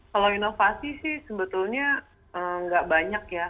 kalau inovasi sih sebetulnya nggak banyak ya